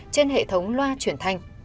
trên hệ thống loa chuyển thanh